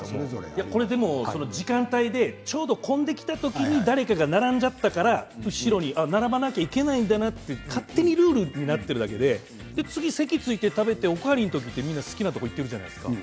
時間帯でちょうど混んできた時に誰かが並んだから後ろに並ばなきゃいけないんだなと勝手にルールになっているだけで席について食べてお代わりの時ってみんな好きなところに行ってるじゃないですか。